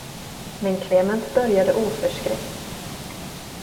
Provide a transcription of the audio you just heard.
Men Klement började oförskräckt.